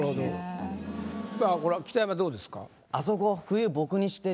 北山どうですか？